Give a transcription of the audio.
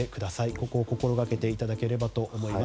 ここを心がけていただければと思います。